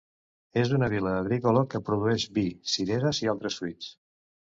És una vila agrícola que produeix vi, cireres, i altres fruits.